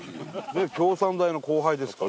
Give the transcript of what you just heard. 京産大の後輩ですから。